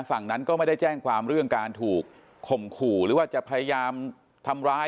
ฝั่งนั้นก็ไม่ได้แจ้งความเรื่องการถูกข่มขู่หรือว่าจะพยายามทำร้าย